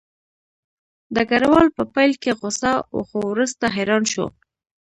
ډګروال په پیل کې غوسه و خو وروسته حیران شو